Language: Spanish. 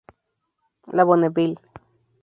La Bonneville